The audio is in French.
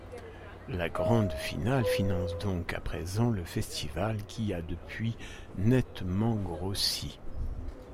La Grande Finale finance donc à présent le festival qui a depuis nettement grossi.